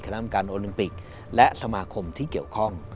กรรมการโอลิมปิกและสมาคมที่เกี่ยวข้อง